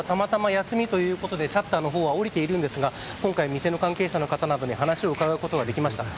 今日はたまたま休みということでシャッターは降りているんですが今回、店の関係者の方などに話を聞くことができました。